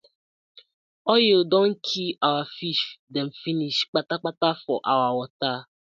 Oil don kii our fish dem finish kpatakpata for our wata.